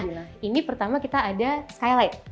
nah ini pertama kita ada skylight